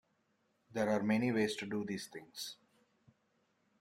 There are many ways to do these things.